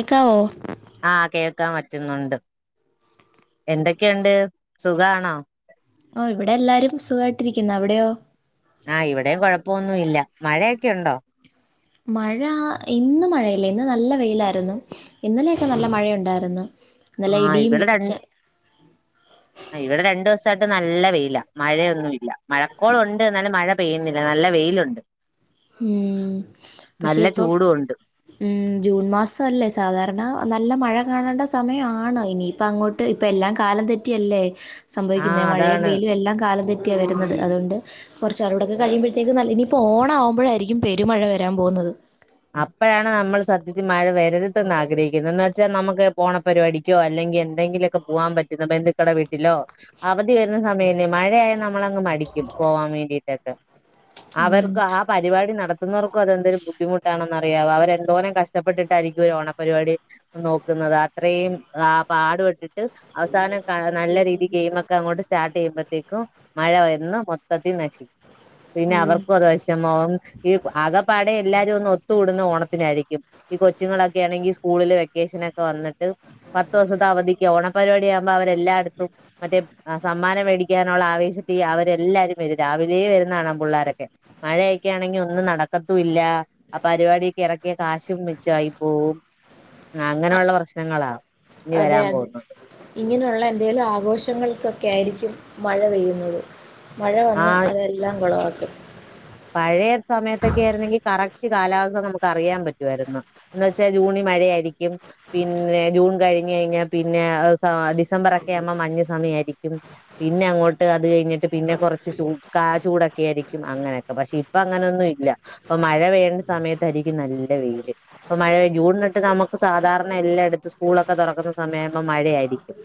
ഇക്കാവോ ആ കേൾക്കാൻ പറ്റുന്നുണ്ട് എന്തൊക്കെണ്ട് സുഖണോ ഓ ഇവിടെ എല്ലാരും സുഖട്ടിരിക്കുന് അവിടെയോ ആഹ് ഇവിടെയും കൊഴപ്പൊന്ന് ന്നല്ല മഴയൊക്കെ ഉണ്ടോ മഴ ഇന്ന് മഴയല്ല ഇന്ന് നല്ല വെയിലായിരുന്നു ഇന്നലെയൊക്കെ നല്ല മഴയുണ്ടായിരുന്നു ആ ഇന്നലെ ഇടിയും ഇവടെ രണ്ട് ചെ- ഇവടെ രണ്ട് വസ് ട്ട് നല്ല വെയില മഴയൊന്നുഇല്ല മഴക്കോളം ഉണ്ട് എന്നാലും മഴം പെയ്യുന്നില്ല നല്ല വെയിലുണ്ട് ഉം പക്ഷെ നല്ല ഇപ്പൊ ചൂടുണ്ട് ഉം ജൂൺ മാസം അല്ലേ സാധാരണ നല്ല മഴ കാണേണ്ട സമയാണ് ഇനിയിപ്പ അങ്ങോട്ട് ഇപ്പ എല്ലാം കാലം തെറ്റിയല്ലേ ആഹ് സംഭവിക്കുന്നത് മഴയും അതാണ് വെയിലും എല്ലാം കാലം തെ ഒക്ക വരുന്നത് അതൊണ്ട് കൊറച്ച ആളോടൊക്കെ കഴിയുമ്പോഴത്തേക്ക് നല്ല ഇനിപ്പോ ഓണാ ആകുമ്പോ അപ്പോഴാരിക്കും പെരുമഴ വരാൻ പോകുന്നത് ആഗ്രഹിക്ക്ന്ന എന്ന് വെച്ചാൽ നമക്ക് ഓണ പരിപടിക്കോ അല്ലെങ്കി എന്തെങ്കില പോവാൻ പറ്റുന്ന [unintelligible] കട വീട്ടിലോ അവധി വരുന്ന സമയേ മഴയ ന നമ്മളങ്ങ് മടിക്കും പോവാൻ വേണ്ടീട്ടൊക്കെ ഉം. അവർക്ക് ആ പരിപാടി നടത ക്കന്നൊറ് ക്കു ബുദ്ധിമു ണെന്നറിയാവ അവരെന്തോരം കഷ്ടപ്പെട്ടിട്ടായിരിക്കും ഒരു ഓണപരിപാടി നോക്കുന്നത് അത്രേം ആ പാടുപെട്ടിട് അവസാനം നല്ല രീതിക്ക് ഗെയിമൊക്കെ അങ്ങോട്ട് സ്റ്റാർട്ട് ചെയ്യുമ്പോഴത്തേക്കും മഴ വന്ന് മൊത്തത്തിൽ നശ പിന്നെ അവർക്കും അത്വശമാ [unintelligible] ഈ ആകെ പാടെ എല്ലാരും ഒ കൂടുന്ന ഓണത്തിനായിരിക്കും ഈ കൊച്ചുങ്ങളൊക്കെ ആണെങ്കിൽ സ്കൂളില് വെക്കേഷന ഒക്കെ വന്നിട്ട് പത്തൂസത്തെ അവധിക്ക് ഓണപരിപാടി ആകുമ്പോ അവരെല്ലായ്ടത്തും മറ്റേ അ സമ്മാനം മേടിക്കാനുള്ള ആവേശത്തി അവരെല്ലാരും വരും രാവിലെയു വരുന്നതാണ പിള്ളോരൊക്കെ മഴയക്കാണെങ്കിൽ ഒന്നും നടക്കത്തുല്ല അപ്പരിപാടിക്ക് ഇറക്കിയ കാശും മിച്ചാ യി പോവും അങ്ങനള്ള പ്രശ്നങ്ങളാ ഇനി അതെ വരാൻ അതെ പോകുന്നത് ഇങ്ങനെയുള്ള എന്തെേലും ആഘോഷങ്ങൾക്കൊക്കെയായിരിക്കും മഴ പെയ്യുന്നത് മഴ വന്ന് അതെല്ലാം കുളവാ [unintelligible] പഴയസമയത്തൊക്കെആയിര്ന്നെങ്കിൽ കറക്റ്റ് കാലാവസ്ഥ നമുക്ക് അറിയാൻ പറ്റുവായിരുന്നു എന്ന് വെച്ചാ ജൂണി മഴയായിരിക്കും പിന്നെ ജൂൺ കഴിഞ്ഞ് കഴിഞ്ഞാ പിന്നെ ആഹ് ഡിസമ്പറക്കെ ആഹുമ്പം മഞ്ഞ് സമയായിരിക്കും പിന്നെ അങ്ങോട്ട് അത് കഴിഞ്ഞിട്ട് പിന്നെ കുറച്ച് ചൂ കാ ചൂടൊക്കെ ആയിരിക്കും അങ്ങനെ പക്ഷെ ഇപ്പ അങ്ങനൊന്നും ഇല്ല ഇപ്പൊ മഴ പെയ്യണ്ട സമയത്തായിയിരിക്കും നല്ല വെയില് ഇപ്പൊ മഴ ജൂൺ തൊട്ട് നമുക്ക് സാധാരണ എല്ലായിടത്തും സ്കൂളൊക്കെ തുറക്കുന്ന സമയത്ത് മഴയായിരിക്കും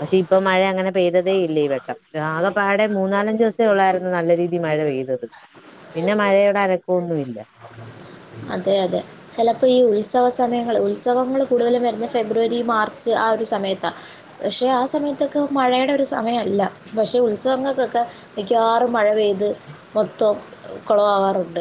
പക്ഷെ ഇപ്പൊ മഴ അങ്ങനെ പെയ്തതേ ഇല്ല ഈ വട്ടം ആകെപ്പാടെ മൂന്നാലഞ്ച് ദിവസേ ഉള്ളായിരുന്നു നല്ല രീതിയിൽ മഴ പെയ്തത് പിന്നെ മഴയുടെ അനക്കൊന്നുല്ല അതെ അതെ ചെലപ്പം ഈ ഉത്സവ സമയങ്ങൾ ഉത്സവങ്ങൾ കൂടുതലും വരുന്നത് ഫെബ്രുവരി മാർച്ച് ആ ഒരു സമയത്താ പക്ഷേ ആ സമയത്തൊക്കെ മഴയുടെ ഒരു സമയല്ല പക്ഷെ ഉത്സവങ്ങൾക്കൊക്കെ മിക്കവാറും മഴ പെയ്യും ത് മൊത്തം കുളവാവാറുണ്ട്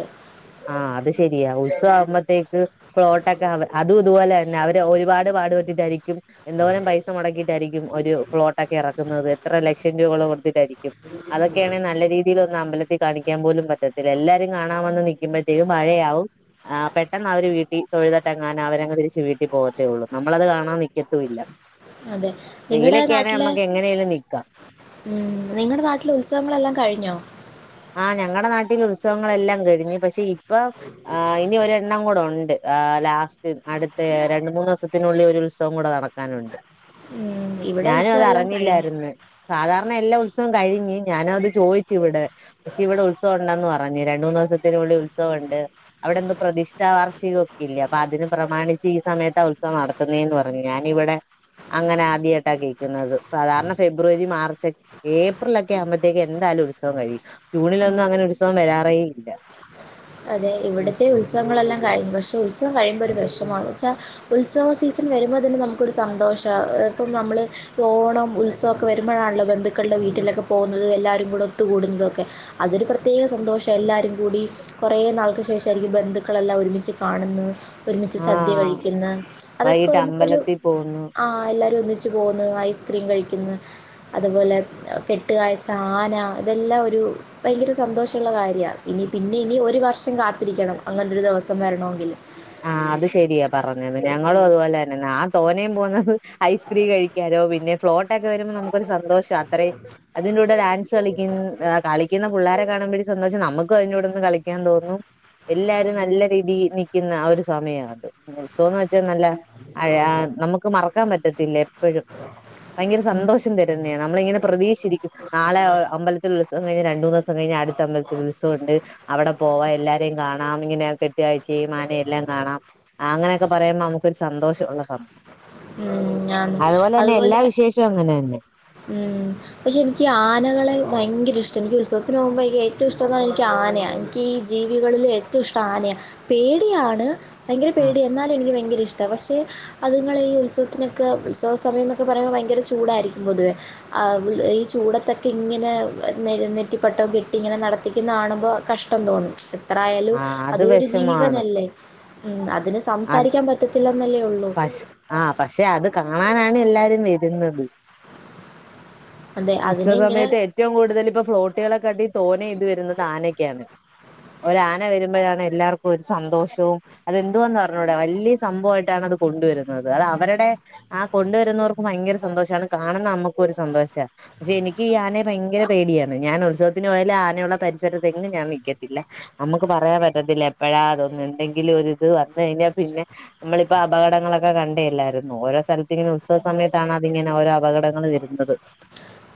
ആഹ് അത് ശരിയാ ഉത്സവാകുമ്പോത്തേക്ക് ഫ്ലോട്ടൊക്കെ അതും ഇതുപോലെ തന്നെ അവര് ഒരുപാട് പാട്പെട്ടിട്ടായിരിക്കും എന്തോരം പൈസ മുടക്കിയിട്ടായിരിക്കും ഒരു ഫ്ലോട്ടൊക്കെ എറക്കുന്നത് എത്ര ലക്ഷം രൂപകൾ കൊടുത്തിട്ടായിരിക്കും അതൊക്കെയാണ് നല്ല രീതിയിലൊന്നും അമ്പലത്തിൽ കാണിക്കാൻ പോലും പറ്റത്തില്ല എല്ലാരെ കാണാൻ വന്ന് നി ക്കിമ്പോഴത്തേക്കും മഴയാഉം ആഹ് പെട്ടൊന്നവര് വീട്ടി തൊഴുതട്ടെങ്ങാന അവരങ്ങ് തിരിച്ച് വീട്ടിൽ പോകത്തേ ഉള്ളൂ നമ്മളത് കാണാൻ നിൽക്കത്തു ല്ല അതെ നിങ്ങളുടെ നാട്ടിലെ എങ്ങനെലും നിക്കാം ഉം നിങ്ങള്ടെ നാട്ടിലെ ഉത്സവങ്ങളെല്ലാം കഴിഞ്ഞോ ആ ഞങ്ങളുടെ നാട്ടിൽ ഉത്സവങ്ങളെല്ലാം കഴിഞ്ഞ് പക്ഷെ ഇപ്പൊ ആ ഇനി ഒരെണ്ണം കൂടെ ഉണ്ട് ആ ലാസ്റ്റ് അടുത്ത രണ്ട് മൂന്ന് വസത്തിനുള്ളിൽ ഒരു ഉത്സവം കൂടെ നടക്കാനുണ്ട് ഉം, ഇവിടെ ഞാനത് ഉത്സവമെല്ലാം കഴിഞ്ഞു അറിഞ്ഞില്ലായിരുന്നു സാധാരണ എല്ലാ ഉത്സവം കഴിഞ്ഞ് ഞാനും അത് ചോയ്ച്ച് ഇവിടെ ക്ഷെ ഇവിടെ ഉത്സവം ഉണ്ടന്ന് പറഞ്ഞു രണ്ട് മൂന്നോസത്തിനുള്ളി ഉത്സവണ്ട് അവിടെ ഇന്ന് പ്രതിഷ്ഠാ വാർഷികം ഒക്കെ ല്ല്യെ അപ്പൊ അതിന് പ്രമാണിച്ച് ഈ സമയത്താ ഉത്സവം നടത്തുന്നേന്ന് പറഞ്ഞു ഞാനിവിടെ അങ്ങനെ ആദ്യയിട്ടാ കേൾക്കുന്നത് സാധാരണ ഫെബ്രുവരി മാർച്ച് ഏപ്രിൽ ക്കെ ആകുമ്പോഴത്തേക്കും എന്തായാലും ഉത്സവം കഴിയും ജൂണിലൊന്നും അങ്ങനെ ഉത്സവം വരാറേ ഇല്ല അതെ ഇവിടത്തെ ഉത്സവങ്ങളെല്ലാം കഴിമ്പ് പക്ഷെ ഉത്സവം കഴിയുമ്പോ ഒരു വെഷമാണ് വെച്ചാ ഉത്സവ സീസൺ വരും മ്പോൾ തന്നെ നമുക്കൊരു സന്തോഷാ ഇപ്പം നമ്മൾ ഓണം ഉത്സവൊക്കെവരുമ്പഴാണല്ലോ ബന്ധുക്കളുടെ വീട്ടിലൊക്കെ പോകുന്നത് എല്ലാരും കൂടെ ഒത്തുകൂടുന്നതൊക്കെ അതൊരുപ്രത്യേക സന്തോഷം എല്ലാരും കൂടി കൊറേനാൾക്ക് ശേഷായിരിക്കും ബന്ധുക്കളെല്ലാം ഒരുമിച്ച് കാണുന്ന് ആഹ് ഒരുമിച്ച്സദ്യകഴിക്കുന്ന അതൊക്കെ വൈകിട്ട് നമുക്കൊരു അമ്പലത്തിൽ പോകുന്നു ആ എല്ലാരും ഒന്നി ച്ചുപോന്നു ഐസ് ക്രീം കഴിക്ക്ന്ന്അതുപോലെ കെട്ട്കാഴ്ച്ച ആന ഇതെല്ലാം ഒരു ഭയ്ങ്കര് സന്തോഷള്ളകര്യാ ഇനി പ്പിനെ ഇനി ഒരുവർഷം കാത്തിരിക്കണം അങ്ങനൊരു ദെവസം വരണോങ്കിൽ ആഹ് അത് ശെരിയാ പറഞ്ഞത് ഞങ്ങളുംഅതുപോലെന്നെ ഞാ തോനേം പോന്നത് ഐസ്ക്രീം കഴിക്കാനോ പിന്നെ ഫ്ലോട്ടക്കെ വരുമ്പോൾ നമുക്കൊരു സന്തോഷം രത്രി അതിന്റൂടെ ഡാൻസ് കളിക്കുൻ [unintelligible] അ കളി ഇന്ന് പുള്ളാരെകാണുമ്പയ് സന്തോഷം നമ്മക്കും അയിൻ്റൂടെന്ന്കളിക്കാൻ തോന്നും എല്ലാരും നല്ല രീതിയിൽ നി ക്ക്‌ന്ന് ആ ഒരുസമയാത് ഉത്സവാന്ന് വെച്ചാൽ നല്ല ആ നമ്മക്ക് മറക്കാൻ പറ്റത്തില്ല എപ്പോഴും ഉം. ഭയങ്കരസന്തോഷം തരും ന്നെ നമ്മളിങ്ങനെ പ്രതീക്ഷിച്ചിരിക്കും നാളെ ഹ് അമ്പലത്തിൽ [unintelligible] രണ്ടു മൂന്നോസം കഴിഞ്ഞ് അടുത്തമ്പലത്തിൽ ഉത്സവണ്ട് അവടെപോവാ എല്ലാരെയ് കാണാം എന്നിങ്ങനെ [unintelligible] [unintelligible] ഏയ്മാനിം എല്ലാം കാണാം ആങ്ങനെയൊക്കെ പറയുമ്പോ നമുക്കൊരു സന്തോഷം [unintelligible] അതുപോലെ അങ്ങനെ തന്നെ ഉം പക്ഷെ ഇനിക്ക് ആനകളെ ഭയങ്കര ഇഷ്ടം ഇനിക്ക് ഉത്സവത്തിന് പോകുമ്പോ അയ്ലേറ്റെം ഇഷ്ടം പറഞ്ഞ ഇൻക്ക് ആ നെ ഇൻക്കീ ജീവികളിൽ ഏറ്റെം ഇഷ്ടം ആനയാ പേടിയാണ് ഭയങ്കര ആഹ് പേടിയാ എന്നാലും എനിക്ക് ഭയങ്കര ഇഷ്ടാ പക്ഷേ അതുങ്ങള് ഈ ഉത്സവത്തിന് ക്കെ ഉത്സവ സമയം എന്നൊക്കെ പറയുമ്പം ഭയങ്കര ചൂടായിരിക്കും പൊതുവേ ആ ഈ ചൂടത്തെക്കെ ഇങ്ങനെ നെ നെറ്റിപ്പട്ടം കെട്ടിങ്ങനെ നടത്തിക്കുന്ന ആണുമ്പോ കഷ്ടം തോന്നും എത്രായാലും ആഹ് അത് അതൊരു വിഷമാണ് ജീവനല്ലേ ഉം അതിന് അത് സംസാരിക്കാൻ പറ്റത്തില്ല പശ് ആഹ് പക്ഷെ അത് കാണാനാണ് എല്ലാരും വരുന്നത് അതെ അതിനെ ഉത്സവ ഇങ്ങനെ സമയത്ത് ഏറ്റവും കൂടുതൽ ഇപ്പം ഫ്ലോട്ട് കുട്ട്യേളക്കടി തോനെ ഇത് വരുന്നത് ആനക്കാണ് ഒര് ആന വരുമ്പഴാണ് എല്ലാർക്കും ഒരു സന്തോഷവും അതെന്തുവാന്ന് അറിഞ്ഞൂട വല്ല്യസംഭവായിട്ടാണ് അത് കൊണ്ടുവരുന്നത് അത് അവരുടെ ആ കൊണ്ടുവരുന്നോർക്കും ഭയങ്കര സന്തോഷാണ് കാണുന്ന അമ്മക്കും ഒരു സന്തോഷാ പക്ഷെ എനിക്ക് ഈ ആനയെ ഭയങ്കര പേടിയാണ് ഞാൻ ഉത്സവത്തിന് പോയാലും ആനയുള്ള പരിസരത്ത് എങ്ങും ഞാൻ നിക്കത്തില്ല അമ്മക്ക് പറയാൻ പറ്റത്തില്ല എപ്പഴാ അതൊന്ന് എന്തെങ്കിലും ഒരിത് വന്ന് കഴിഞ്ഞാ പിന്നെ നമ്മളിപ്പ അപകടങ്ങളൊക്കെ കണ്ടയെല്ലായിരുന്നോ ഓരോ സ്ഥലത്തിങ്ങനെ ഉത്സവ സമയത്താണ് അത് ഇങ്ങനെ ഓരോ അപകടങ്ങള് വരുന്നത്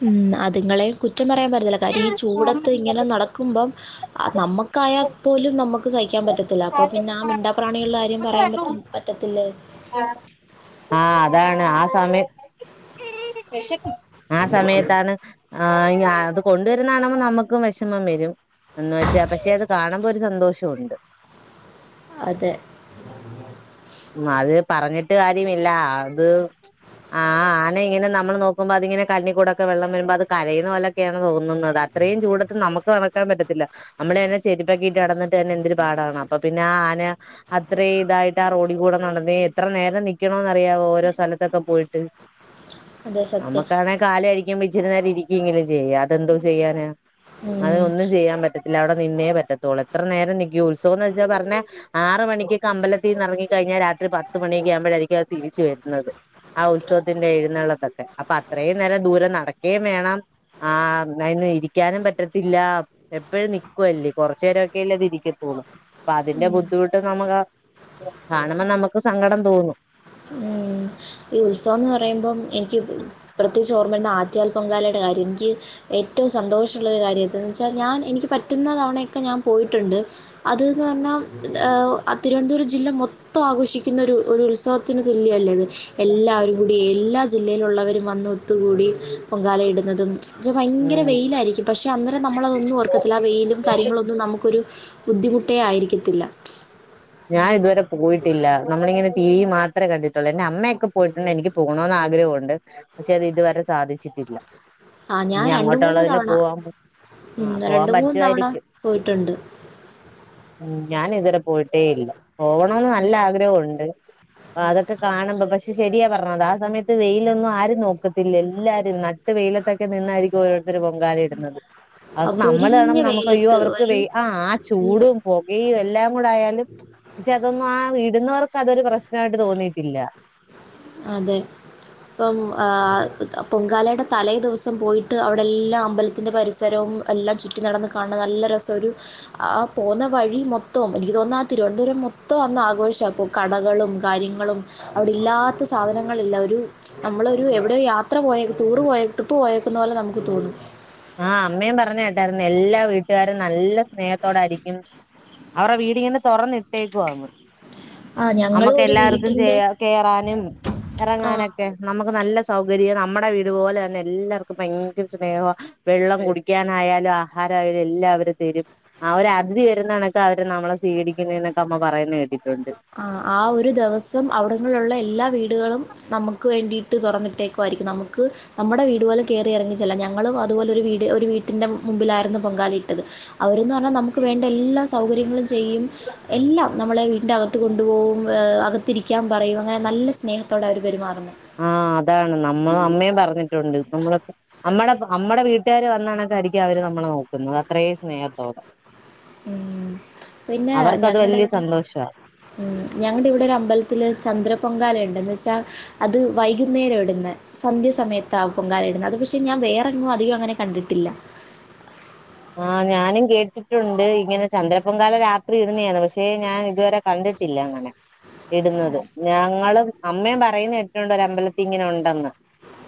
ഉം അതുങ്ങളെയും കുറ്റം പറയാൻ പറ്റത്തില്ല കാര്യം ഈ ചൂടത്ത് ഇങ്ങനെ നടക്കുമ്പം നമ്മക്കായാൽ പോലും നമ്മക്ക് സഹിക്കാൻ പറ്റത്തില്ല അപ്പം പിന്നെ ആ മിണ്ടാ പ്രാണികൾടെ കാര്യം പറയാൻ പറ്റ് പറ്റത്തില്ലേ ആഹ് അതാണ് ആ സമയത്ത് ആ സമയത്താണ് ആയിന് അതും കൊണ്ടുവരുന്നാണുമ്പം നമുക്കും വെഷമം വെരും എന്ന് വെച്ചാ പക്ഷെ അത് കാണുമ്പോ ഒരു സന്തോഷവുണ്ട് അതെ ഉം അത് പറഞ്ഞിട്ട് കാര്യമില്ല അത് ആ ആന ഇങ്ങനെ നമ്മള് നോക്കുമ്പം അതിങ്ങനെ കണ്ണി കൂടൊക്കെ വെള്ളം വരുമ്പം അത് കരയുന്ന പോലൊക്കെയാണ് തോ ന്നുന്നത് അത്രയും ചൂടത്ത് നമുക്ക് നട [unintelligible] പറ്റത്തില്ല നമ്മള് തന്നെ ചെരുപ്പക്കിട്ട് നടന്നിട്ട് തന്നെ എന്തൊരു പാടാണ് അപ്പം പിന്നെ ആ ആന അത്രം ഇതായിട്ട് ആ റോഡ് കൂടെ നടന്നേ എത്ര നേരം നിക്കണോന്ന് അറിയാവോ ഓരോ സ്ഥലത്തൊക്കെ പോയിട്ട് അതെ സത്യം നമ്മുക്കാണെ കാല് കഴക്കുമ്പം ഇ ഇച്ചിരി നേരം ഇരിക്കേങ്കിലും ചെയ്യ അതെന്തോ ചെയ്യാന ഉം. അതിനൊന്നും ചെയ്യാൻ പറ്റത്തില്ല അവിടെ നിന്നേ പറ്റ ത്തോള് എത്ര നേരം നിക്കും ഉത്സവോന്ന് വെച്ചാ പറഞ്ഞെ ആറ് മണിക്കൊക്കെ അമ്പലത്തിന്നെറങ്ങി കഴിഞ്ഞാ രാത്രി പത്തുമണിയെക്കെ ആവുമ്പഴായിരിക്കും അത് തിരിച്ചു വരുന്നത്. ആ ഉത്സവത്തിന്റെ എഴുന്നള്ളത്തൊക്കെ അപ്പം അത്രേം നേരം ദൂരെ നടക്കേം വേണം ആം അയിന് ഇരിക്കാനും പറ്റത്തില്ല എപ്പഴും നിക്കുവല്ലേ കൊറച്ചു നേരൊക്കെ അല്ലേ അത് ഇരിക്കത്തോള് അപ്പം അതിന്റെ ബുദ്ധിമുട്ട് നമുകാ കാണുമ്പം നമുക്ക് സങ്കടം തോന്നും ഉം ഈ ഉത്സവംന്ന് പറയുമ്പം എനിക്ക് പ്രത്യേകിച്ച് ഓർ മ വരുന്ന ആറ്റ്കാൽ പൊങ്കാലയുടെ കാര്യം എനിക്ക് ഏറ്റവും സന്തോഷമുള്ളൊരു കാര്യം എന്തെന്ന് വെച്ചാൽ ഞാൻ എനിക്ക് പറ്റുന്ന തവണയൊക്കെ ഞാൻ പോയിട്ടുണ്ട് അത് ന് പറഞ്ഞാ ആ തിരുവനന്തപുരം ജില്ല മൊത്ത് ത്തോം ആഘോഷിക്കുന്ന ഒരു ഒരു ഉത്സാവ ത്തിന് തുല്യം അല്ലേ അത് എല്ലാവരും എല്ലാ ജില്ലയിലുള്ളവരും വന്ന് ഒത്തുകൂടി പൊങ്കാല ഇടുന്നതും എന്നുവെച്ച ഭയങ്കര വെയിലായിരിക്കും. പക്ഷേ അന്നരം നമ്മളതൊന്നും ഓർക്കത്തില്ല ആ വെയിലും ഉം കാര്യങ്ങളൊന്നും നമുക്കൊരു ബുദ്ധിമുട്ടേ ആയിരിക്കത്തില്ല ഞാ ഇതുവരെ പോയിട്ടില്ല നമ്മളിങ്ങനെ ടി വി മാത്രേ കണ്ടിട്ടുള്ളൂ എന്റെ അമ്മയൊക്കെ പോയിട്ടുണ്ട് എനിക്ക് പോണോന്ന് ആഗ്രഹൊണ്ട്. പക്ഷെ അത് ഇതുവരെ സാധിച്ചിട്ടില്ല. ആ ഞാൻ ഇനി രണ്ട് മൂന്ന് അങ്ങോട്ടുള്ളതില് തവണ പോവാൻ ആ ഉം പോവാൻ രണ്ട് മൂന്ന് തവണ പറ്റുവായിരിക്കും പോയിട്ടുണ്ട്. ഞാന് ഇതരെ പോയി ട്ടേ ഇല്ല. പോണോന്ന് നല്ല ആഗ്രഹോണ്ട്. അതൊക്കെ കാണുമ്പ പക്ഷെ ശരിയാ പറഞ്ഞത് ആ സമയത്ത് വെയിലൊന്നും ആരും നോ പൊങ്കാല ഇടുന്നത്. ആ അതൊക്കെ നമ്മള് [inaudible] പൊരിഞ്ഞ വെയിലത്ത് ഒരു പക്ഷെ അതൊന്നും ആ വിടുന്നവർക്ക് അതൊരു പ്രശ്ന അതെ ഇപ്പം ആ പൊങ്കാലെടെ തലേ ദിവസം പോയിട്ട് അവിടെ എല്ലാം അമ്പലത്തിന്റെ പരിസരവും എല്ലാം ചുറ്റി നടന്ന് കാണണ നല്ല രസം ഒരു ആ പോന്ന വഴി മൊത്തോം എനിക്ക് തോന്നുന്നു ആ തിരുവനന്തപുരം മൊത്തം അന്ന് ആഘോഷാ ഇപ്പ കടകളും കാര്യങ്ങളും അവിടില്ലാത്ത സാധനങ്ങളില്ല ഒരു നമ്മളൊരു എവിടെയോ യാത്ര പോയ ടൂറ് പോയ ട്രിപ്പ് പോയേക്കുന്ന പോലെ നമുക്ക് തോന്നും. ആഹ് അമ്മയും പറഞ്ഞ കേട്ടായിരുന്നു എല്ലാ വീട്ടുകാരും നല്ല സ്നേഹത്തോടാരിക്കും അവർ വീടിങ്ങനെ തുറന്നിട്ടേക്കുവാന്ന്. ആ ഞങ്ങൾ നമുക്ക് ഒരു എല്ലാർക്കും ചെയ വീട്ടിൻ്റെ കേറാനും ആ എറങ്ങാനൊക്കെ നമു നല്ല സൗകര്യം നമ്മടെ വീട് പോലെ തന്നെ എല്ലാർക്കും ഭയങ്കര സ്നേഹവാ വെള്ളം കുടിക്കാനായാലും ആഹാരായാലും എല്ല അവര് തരും. അവര് അതിഥി വരുന്നണക്ക അവര് നമ്മളെ സ്വീകരിക്കുന്നെന്നക്ക അമ്മ പറയുന്ന കേട്ടി ആഹ് ആ ഒരു ദെവസം അവിടങ്ങളുള്ള എല്ലാ വീടുകളും നമുക്ക് വേണ്ടിയിട്ട് തുറന്നിട്ടേക്കു ആയിരിക്കും. നമുക്ക് നമ്മുടെ വീട് പോലെ കയറി ഇറങ്ങിച്ചെല്ല ഞങ്ങളും അതുപോലെ ഒരു വീട് ഒരു വീട്ടിന്റെ മുമ്പിലായിരുന്നു പൊങ്കാല ഇട്ടത്. അവരന്ന് പറഞ്ഞാ നമുക്ക് വേണ്ട എല്ലാ സൗകര്യങ്ങളും ചെയ്യും. എല്ലാം നമ്മളെ വീട്ടിന്റെ അക ത്ത് കൊണ്ടുപോവും അകത്തിരിക്കാൻ പറയും അങ്ങനെ നല്ല സ്നേഹത്തോടെ അവര് പെരുമാറുന്നെ. ആഹ് അതാണ് നമ്മള അമ്മയും പറഞ്ഞിട്ടുണ്ട് നമ്മള നമ്മടെ നമ്മടെ വീട്ടുകാര് വന്നണക്കായിരിക്കും അവര് നമ്മള നോക്കുന്നത് അത്രയും സ്നേഹത്തോടെ. ഉം പിന്നെ അവർക്കത് ഞങ്ങടെ വലിയ ഇവിടെ സന്തോഷാ ഉം ഞങ്ങടെ ഇവിടെ ഒരു അമ്പലത്തില് ചന്ദ്ര പൊങ്കാല ഉണ്ട് എന്ന് വെച്ചാ അത് വൈകുന്നേരം ഇടുന്ന സന്ധ്യ സമയത്ത ആ പൊങ്കാല ഇടുന്ന അത് പക്ഷെ ഞാൻ വേറെങ്ങും അധികം അങ്ങനെ കണ്ടിട്ടില്ല. ആഹ് ഞാനും കേ ട്ടുണ്ട് ഇങ്ങനെ ചന്ദ്ര പൊങ്കാല രാത്രി ഇടുന്നെആന്ന് പക്ഷെ ഞാൻ ഇതുവരെ കണ്ടിട്ടില്ല അങ്ങനെ ഇടുന്നത് ഞങ്ങളും അമ്മയും പറ പറെന്നട്ടിട്ടൊണ്ട് ഒരമ്പലത്തി ഇങ്ങന ഒണ്ടന്ന്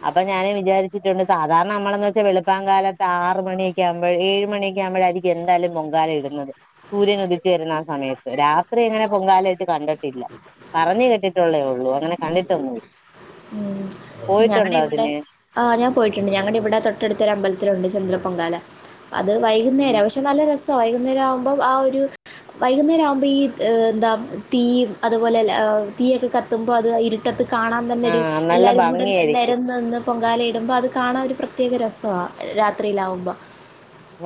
അപ്പോ ഞാന് വിചാരിച്ചിട്ടൊണ്ട് സാധാരണ നമ്മളന്ന് വെച്ചാ വെളുപ്പാകാലത്ത് ആറ് മണിയക്കെ ആ ഏഴ് മണിക്കെ ആകുമ്പോഴാരിക്കും എന്തായാലും പൊങ്കാല ഇടുന്നത് സൂര്യൻ ഉദിച്ചു വരുന്ന ആ സമയത്ത് രാത്രി അങ്ങനെ പൊങ്കാല ഇട്ട് കണ്ടിട്ടില്ല. പറഞ്ഞ് കേട്ടിട്ടുള്ളേഒള്ളൂ അങ്ങനെ കണ്ടിട്ടൊന്നുമി ഉം ഞങ്ങടെ ഇവിടെ ആ ഞാ പോയിട്ടുണ്ട് ഞങ്ങടെ ഇവിടെ തൊട്ടടുത്തൊരു അമ്പലത്തിലുണ്ട് ചന്ദ്ര പൊങ്കാല. അത് വൈകുന്നേരം പഷെ നല്ല രസ വൈകുന്നേരം ആവുമ്പോ ആ ഒരു വൈകുന്നേരം ആവുമ്പ ഈ എന്താ തീയും അതുപോലല്ലേ തീയൊക്കെ കത്തുമ്പോ അത് ഇരുട്ടത്ത് കാണാൻ തന്നൊരു ആഹ് നല്ല എല്ലാരും കൂടെ ഭംഗിയായിരിക്കും നേരന്ന് നിന്ന് പൊങ്കാല ഇടുമ്പോ അത് കാണാ ഒരു പ്രത്യേക രസവാ രാത്രിയിലാവുമ്പം.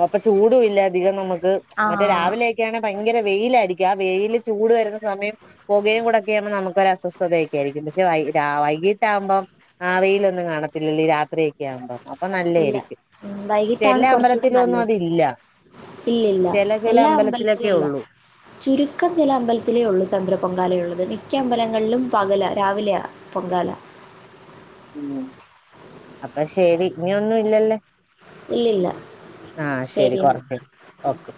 അപ്പൊ ചൂടും ഇല്ല അധികം നമു ആ മറ്റേ രാവിലെയൊക്കെ ആണെ ഭയങ്കര വെയിലാരി ആ വെയില് ചൂട് വരുന്ന സമയം പൊകയുംകുടക്കെ ആകുമ്പോ നമുക്ക് ഒരസ്വസ്ഥതയൊക്കെയിരിക്കും പക്ഷെ വൈ രാ വൈകീട്ടാവുമ്പം ആ വെയില് ഒന്നും കാണത്തില്ലല്ലേ രാത്രി ക്കാമ്പ അപ്പ ഇല്ല നല്ലേരിക്കും. ഉം, ചെല വൈകിട്ടാണ് അമ്പല കുറച്ചുകൂടെ ഇല്ലില്ല ചില ചില എല്ലാ അമ്പലത്തിലും അമ്പലത്തിലൊക്കെ ഇല്ല ഉള്ളൂ ചുരുക്കം ചില അമ്പലത്തിലേ ഉള്ളു ചന്ദ്ര പൊങ്കാല ഉള്ളത്. മിക്ക അമ്പലങ്ങളിലും പകല രാവിലെയ പൊങ്കാല ഉം, അപ്പൊ ശരി ഇനി ഒന്നും ഇല്ലല്ലോ ഇല്ലില്ല. ആ, ശരി ശരിയെന്നാ. കുറഞ്ഞ് ഓ കെ